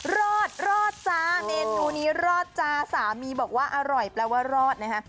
รอดรอดจ้าเมนูนี้รอดจ้าสามีบอกว่าอร่อยแปลว่ารอดนะฮะ